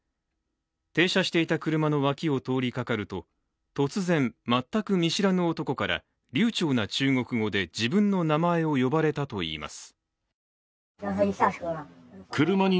停車していた車の脇を通りかかると突然、全く見知らぬ男から流ちょうな中国語で自分の名前を呼ばれたといいます。